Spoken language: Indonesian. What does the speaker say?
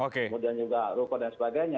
kemudian juga ruko dan sebagainya